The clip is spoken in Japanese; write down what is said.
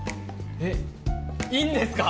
えっいいんですか？